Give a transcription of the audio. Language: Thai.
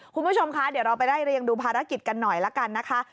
คุณผู้ชมคะเดี๋ยวเราไปไล่เรียงดูภารกิจกันหน่อยละกันนะคะ